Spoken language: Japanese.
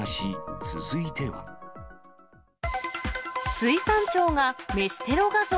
水産庁が飯テロ画像。